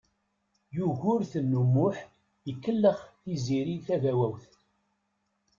Yugurten U Muḥ ikellex Tiziri Tagawawt.